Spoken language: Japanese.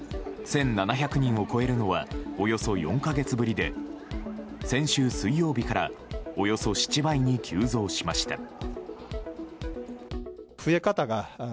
１７００人を超えるのはおよそ４か月ぶりで先週水曜日からおよそ７倍に急増しました。